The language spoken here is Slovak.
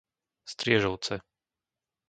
Striežovce